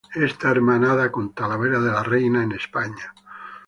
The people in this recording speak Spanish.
Está hermanada con Talavera de la Reina, en España.